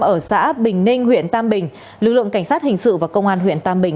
ở xã bình ninh huyện tam bình lực lượng cảnh sát hình sự và công an huyện tam bình